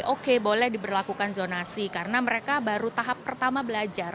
oke boleh diberlakukan zonasi karena mereka baru tahap pertama belajar